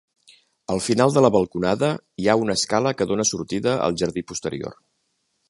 Al final de la balconada hi ha una escala que dóna sortida al jardí posterior.